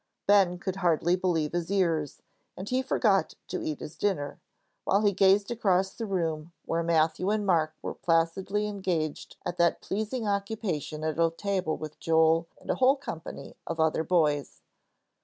Ben could hardly believe his ears; and he forgot to eat his dinner, while he gazed across the room where Matthew and Mark were placidly engaged at that pleasing occupation at a table with Joel and a whole company of other boys.